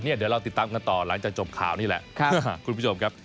เดี๋ยวเราติดตามกันต่อหลังจากจบข่าวนี่แหละคุณผู้ชมครับ